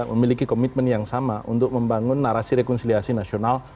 memiliki komitmen yang sama untuk membangun narasi rekonsiliasi nasional